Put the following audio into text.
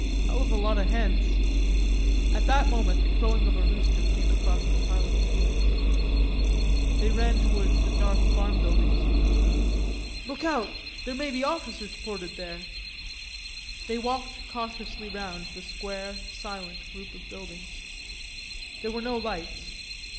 "Hell of a lot of hens...." At that moment the crowing of a rooster came across the silent fields. They ran towards the dark farm buildings. "Look out, there may be officers quartered there." They walked cautiously round the square, silent group of buildings. There were no lights.